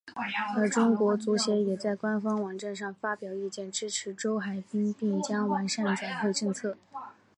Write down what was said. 而中国足协也在官方网站上发表意见支持周海滨并将完善转会政策。